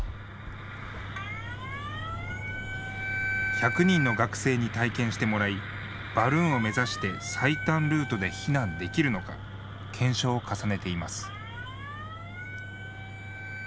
１００人の学生に体験してもらいバルーンを目指して最短ルートで避難できるのか検証を重ねています。